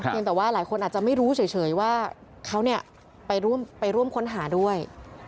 ยังแต่ว่าหลายคนอาจจะไม่รู้เฉยว่าเขาเนี่ยไปร่วมค้นหาด้วย